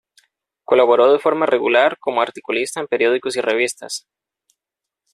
Colaboró de forma regular como articulista en periódicos y revistas.